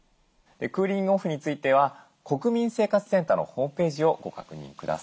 クーリング・オフについては国民生活センターのホームページをご確認ください。